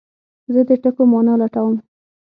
زه د ټکو مانا لټوم.